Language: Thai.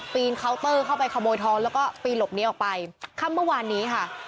นเคาน์เตอร์เข้าไปขโมยทองแล้วก็ปีนหลบนี้ออกไปค่ำเมื่อวานนี้ค่ะ